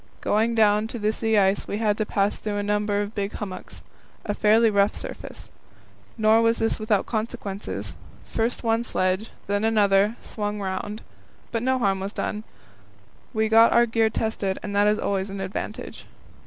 Going down to the sea ice we had to pass through a number of big hummocks a fairly rough surface. Nor was this without consequences; first one sledge, then another, swung round. But no harm was done; we got our gear tested, and that is always an advantage.